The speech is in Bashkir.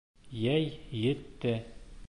Йәй етте